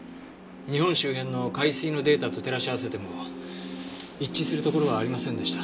日本周辺の海水のデータと照らし合わせても一致するところはありませんでした。